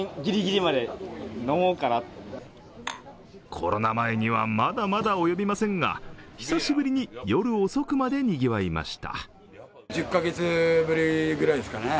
コロナ前には、まだまだ及びませんが、久しぶりに夜遅くまでにぎわいました。